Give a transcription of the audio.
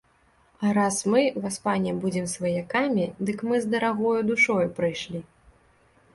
А раз мы, васпане, будзем сваякамі, дык мы з дарагою душою прыйшлі.